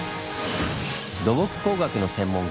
土木工学の専門家